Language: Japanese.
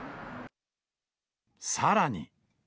さらに。